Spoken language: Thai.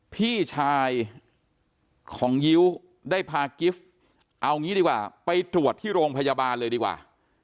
พี่ชายของยิ้วได้พากิฟต์เอางี้ดีกว่าไปตรวจที่โรงพยาบาลเลยดีกว่า